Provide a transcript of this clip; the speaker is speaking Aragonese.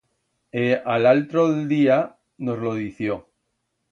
E a l'altro'l día nos lo dició.